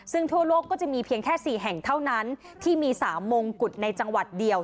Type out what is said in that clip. ซึ่งทั่วโลกก็จะมีเพียงแค่๔แห่งเท่านั้นที่มี๓มงกุฎในจังหวัดเดียว